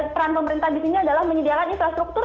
peran pemerintah di sini adalah menyediakan infrastruktur